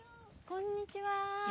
こんにちは。